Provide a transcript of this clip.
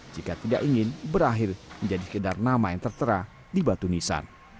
jika tidak ingin berakhir menjadi kedar nama yang tertera di batu nisan